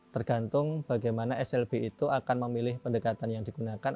tergantung bagaimana slb itu akan memilih pendekatan yang digunakan